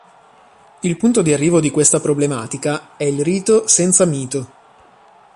Il punto di arrivo di questa problematica è il rito senza mito.